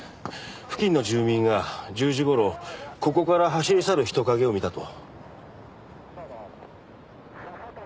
付近の住民が１０時ごろここから走り去る人影を見たと。